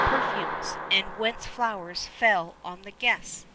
perfumes, and whence flowers fell on the guests.